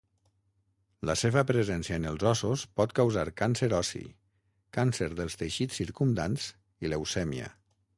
La seva presència en els ossos pot causar càncer ossi, càncer dels teixits circumdants i leucèmia.